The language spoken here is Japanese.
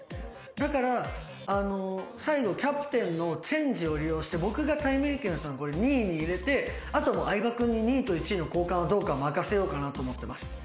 だから最後キャプテンのチェンジを利用して僕がたいめいけんさん２位に入れてあと相葉君に２位と１位の交換はどうか任せようかなと思ってます。